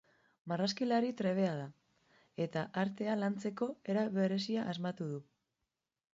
Marrazkilari trebea da, eta artea lantzeko era berezia asmatu du.